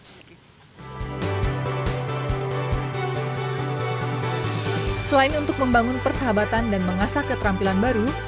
selain untuk membangun persahabatan dan mengasah keterampilan baru